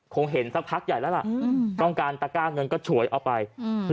คงเห็นสักพักใหญ่แล้วล่ะอืมต้องการตะก้าเงินก็ฉวยเอาไปอืม